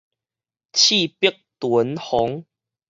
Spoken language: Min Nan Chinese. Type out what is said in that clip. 齒白脣紅